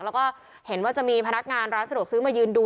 แล้วก็เห็นว่าจะมีพนักงานร้านสะดวกซื้อมายืนดู